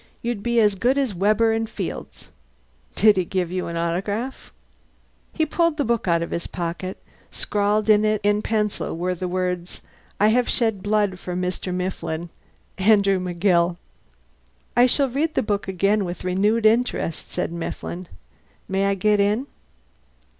You'd be as good as Weber and Fields. Did he give you the autograph?" He pulled the book out of his pocket. Scrawled in it in pencil were the words "I have shed blood for Mr. Mifflin. Andrew McGill." "I shall read the book again with renewed interest," said Mifflin. "May I get in?"